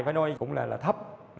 phải nói cũng là thấp